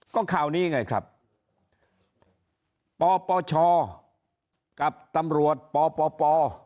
ก็ข่าวนี้ไงครับปปชกับตำรวจปป